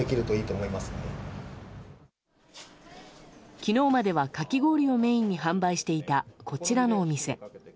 昨日まではかき氷をメインに販売していたこちらのお店。